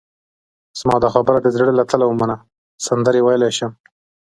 زما دا خبره د زړه له تله ومنه، سندرې ویلای شم.